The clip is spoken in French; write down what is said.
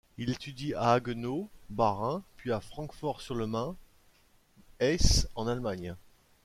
Il étudie à Haguenau, Bas-Rhin, puis à Francfort-sur-le-Main, Hesse, en Allemagne.